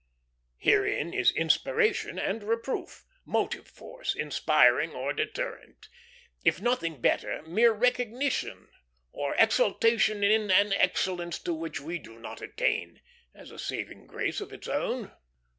Herein is inspiration and reproof; motive force, inspiring or deterrent. If nothing better, mere recognition, or exultation in an excellence to which we do not attain, has a saving grace of its own.